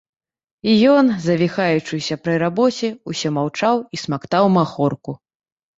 І ён, завіхаючыся пры рабоце, усё маўчаў і смактаў махорку.